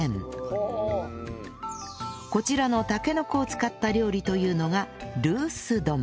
こちらのたけのこを使った料理というのがルース丼